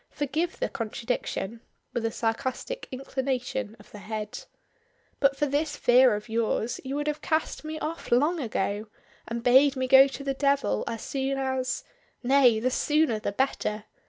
Forgive the contradiction," with a sarcastic inclination of the head. "But for this fear of yours you would have cast me off long ago, and bade me go to the devil as soon as nay, the sooner the better.